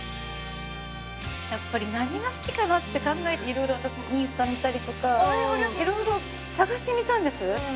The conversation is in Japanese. やっぱり何が好きかなって考えていろいろ私もインスタ見たりとかいろいろ探してみたんです。